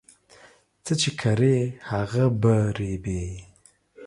څه چې کرې هغه په رېبې